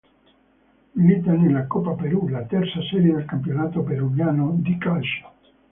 Milita nella Copa Perú, la terza serie del Campionato peruviano di calcio.